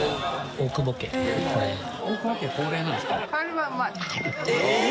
大久保家恒例なんですか？